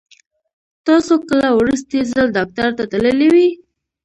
تاسو کله وروستی ځل ډاکټر ته تللي وئ؟